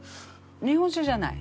日本酒じゃない。